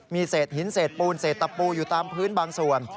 มีเศษหินเศษปูนเศษตะปูอยู่ตามพื้นบางส่วน